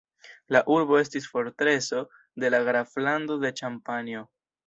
La urbo estis fortreso de la graflando de Ĉampanjo.